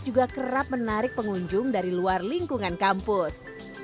juga kerap menarik pengunjung dari luar lingkungan kampus